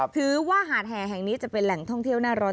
หาดแห่แห่งนี้จะเป็นแหล่งท่องเที่ยวหน้าร้อน